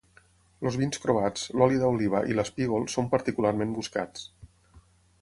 Els vins croats, l'oli d'oliva i l'espígol són particularment buscats.